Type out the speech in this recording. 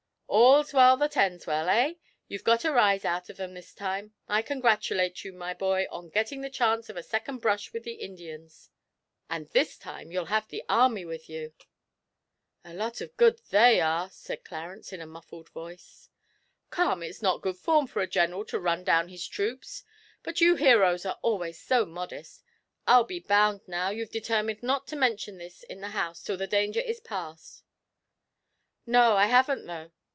'All's well that ends well, eh? You've got a rise out of 'em this time. I congratulate you, my boy, on getting the chance of a second brush with the Indians. And this time you'll have the army with you.' 'A lot of good they are!' said Clarence, in a muffled voice. 'Come, it's not good form for a General to run down his troops; but you heroes are always so modest. I'll be bound, now, you've determined not to mention this in the house till the danger is passed?' 'No, I haven't, though.